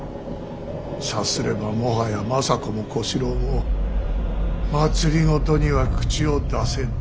さすればもはや政子も小四郎も政には口を出せぬ。